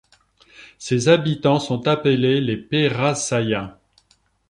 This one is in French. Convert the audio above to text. Ses habitants sont appelés les Pérassayens.